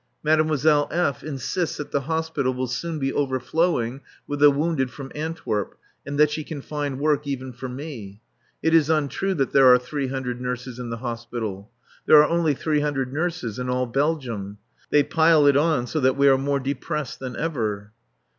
Mademoiselle F. insists that the Hospital will soon be overflowing with the wounded from Antwerp and that she can find work even for me. It is untrue that there are three hundred nurses in the Hospital. There are only three hundred nurses in all Belgium. They pile it on so that we are more depressed than ever.